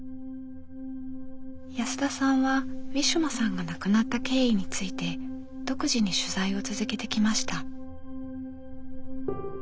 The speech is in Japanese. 安田さんはウィシュマさんが亡くなった経緯について独自に取材を続けてきました。